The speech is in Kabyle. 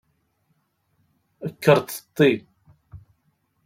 Kkerṭeṭṭi.